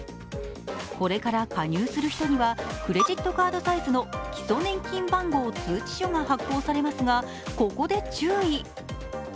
これから加入する人にはクレジットカードサイズの基礎年金番号通知書が発行されますが、ここで注意。